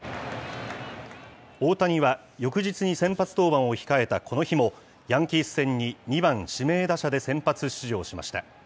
大谷は、翌日に先発登板を控えたこの日も、ヤンキース戦に２番指名打者で先発出場しました。